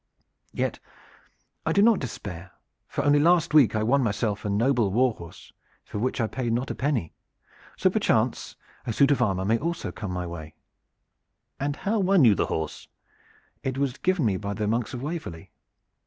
Yet I do not despair, for only last week I won for myself a noble war horse for which I paid not a penny, so perchance a suit of armor may also come my way." "And how won you the horse?" "It was given me by the monks of Waverley."